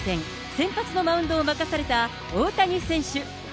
先発のマウンドを任された大谷選手。